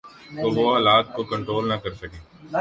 تو وہ حالات کو کنٹرول نہ کر سکیں۔